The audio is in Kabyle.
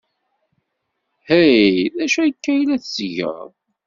Hey! D acu akka ay la tettged?